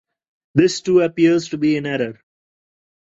This too appears to be in error.